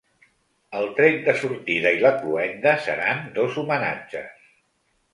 El tret de sortida i la cloenda seran dos homenatges.